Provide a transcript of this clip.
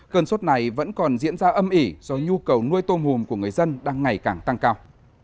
cơn sốt này vẫn còn diễn ra âm ỉ do nhu cầu nuôi tôm hùm của người dân đang ngày càng tăng cao